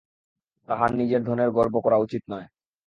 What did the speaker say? তাঁহার নিজের ধনের গর্ব করা উচিত নয়।